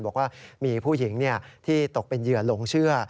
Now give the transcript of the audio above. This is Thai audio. บอกว่ามีผู้หญิงที่ตกเป็นเหยื่อหลงเชื่อ